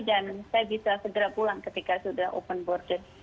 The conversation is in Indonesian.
dan saya bisa segera pulang ketika sudah open border